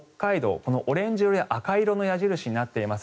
このオレンジ色や赤色の矢印になっています。